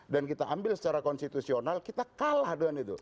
dan kita ambil secara konstitusional kita kalah dengan itu